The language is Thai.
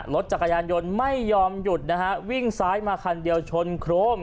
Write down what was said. รถจักรยานยนต์ไม่ยอมหยุดนะฮะวิ่งซ้ายมาคันเดียวชนโครม